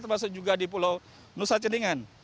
termasuk juga di pulau nusa cedingan